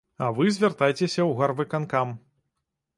А вы звяртайцеся ў гарвыканкам.